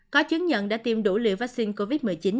có chứng nhận đã tiêm đủ liều vaccine covid một mươi chín